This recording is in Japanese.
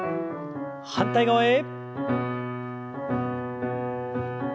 反対側へ。